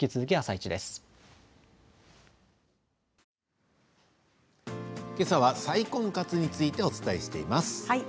けさは再婚活についてお伝えしています。